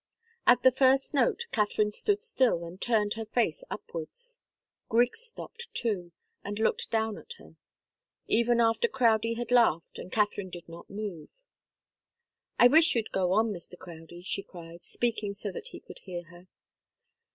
At the first note, Katharine stood still and turned her face upwards. Griggs stopped, too, and looked down at her. Even after Crowdie had laughed Katharine did not move. "I wish you'd go on, Mr. Crowdie!" she cried, speaking so that he could hear her.